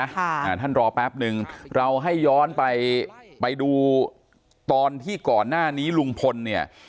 อ่าท่านรอแป๊บนึงเราให้ย้อนไปไปดูตอนที่ก่อนหน้านี้ลุงพลเนี่ย